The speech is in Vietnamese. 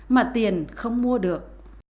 mà tiền không mua được